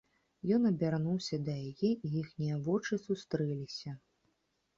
Ён абярнуўся да яе, і іхнія вочы сустрэліся.